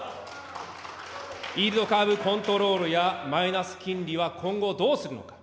イールドカーブコントロールや、マイナス金利は今後どうするのか。